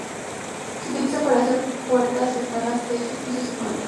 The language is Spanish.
Se utiliza para hacer puertas, ventanas, techos, pisos y muebles.